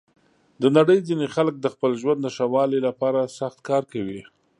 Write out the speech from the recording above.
د نړۍ ځینې خلک د خپل ژوند د ښه والي لپاره سخت کار کوي.